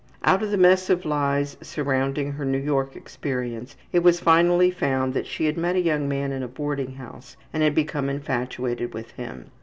Out of the mess of lies surrounding her New York experience, it was finally found that she had met a young man in a boarding house and had become infatuated with him.